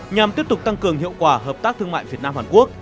nhằm tiếp tục tăng cường hiệu quả hợp tác thương mại việt nam hàn quốc